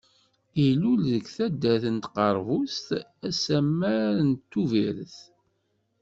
Ilul deg taddart n Tqerbust asamar n Tubiret.